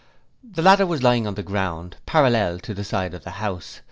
The ladder was lying on the ground, parallel to the side of the house.